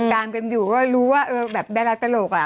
พอติดตามกันอยู่ก็รู้ว่าเออแบบแดละตระหลกอ่ะ